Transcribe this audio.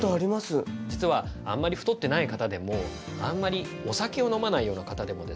実はあんまり太ってない方でもあんまりお酒を飲まないような方でもですね